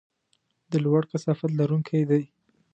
د لوړ کثافت لرونکي دي.